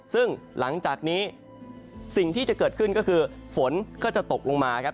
ซึ่งหลังจากนี้สิ่งที่จะเกิดขึ้นก็คือฝนก็จะตกลงมาครับ